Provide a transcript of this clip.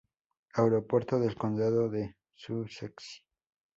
Aeropuerto del Condado de Sussex